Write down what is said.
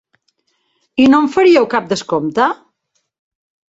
I no em faríeu cap descompte?